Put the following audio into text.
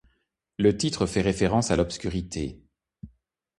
Le titre fait référence à l'obscurité.